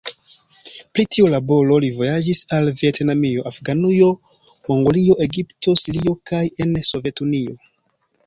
Pro tiu laboro li vojaĝis al Vjetnamio, Afganujo, Mongolio, Egipto, Sirio kaj en Sovetunio.